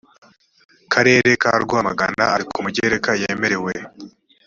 karere ka rwamagana ari ku mugereka yemerewe